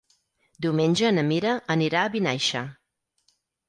Diumenge na Mira anirà a Vinaixa.